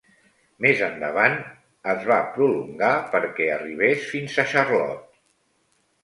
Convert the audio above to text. Més endavant es va prolongar perquè arribés fins a Charlotte.